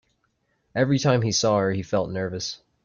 Every time he saw her, he felt nervous.